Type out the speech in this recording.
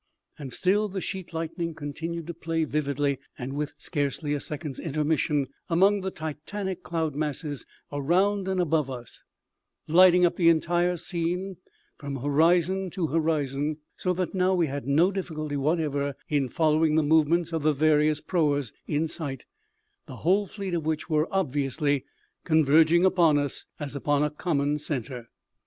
And still the sheet lightning continued to play vividly and with scarcely a second's intermission among the Titanic cloud masses around and above us, lighting up the entire scene from horizon to horizon; so that we now had no difficulty whatever in following the movements of the various proas in sight, the whole fleet of which were obviously converging upon us as upon a common centre.